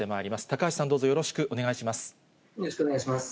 高橋さん、どうぞよろしくお願いします。